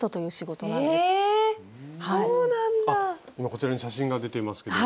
今こちらに写真が出ていますけれども。